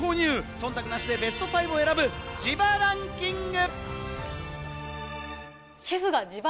忖度なしでベスト５を選ぶ自腹ンキング。